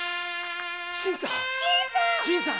新さん？